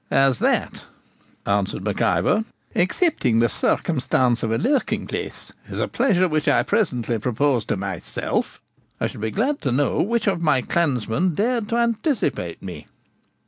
'As that,' answered Mac Ivor, 'excepting the circumstance of a lurking place, is a pleasure which I presently propose to myself, I should be glad to know which of my clansmen dared to anticipate me.'